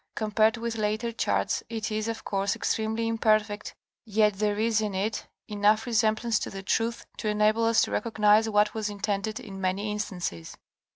Compared with later charts it is, of course, extremely imperfect yet there is in it enough resemblance to the truth to enable us to recognize what was intended in many instances.